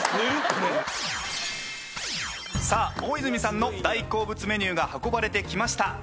さあ大泉さんの大好物メニューが運ばれてきました。